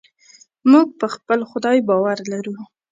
موږ په خپل خدای باور لرو.